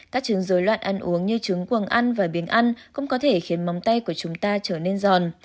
các trứng dối loạn ăn uống như trứng quần ăn và biến ăn cũng có thể khiến móng tay của chúng ta trở nên giòn